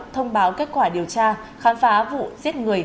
thông báo kết quả điều tra khám phá vụ giết người